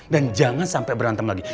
dan jangan sampai berantem lagi